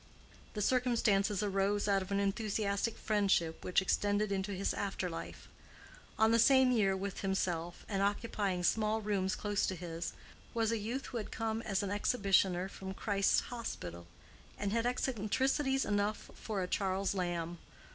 The circumstances arose out of an enthusiastic friendship which extended into his after life. Of the same year with himself, and occupying small rooms close to his, was a youth who had come as an exhibitioner from Christ's Hospital, and had eccentricities enough for a Charles Lamb.